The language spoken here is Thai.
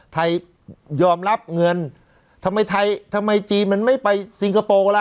ไทยยอมรับเงินทำไมไทยทำไมจีนมันไม่ไปซิงคโปร์ล่ะ